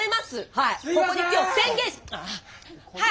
はい。